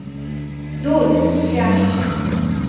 ধুর, সে আসছে।